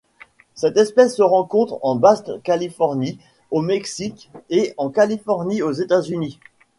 Cette espèce se rencontre en Basse-Californie au Mexique et en Californie aux États-Unis.